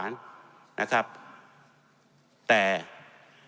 แน็ต